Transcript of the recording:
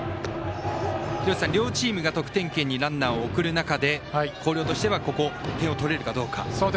両チームが得点圏にランナーを送る中で広陵としてはここ手を取れるかどうか。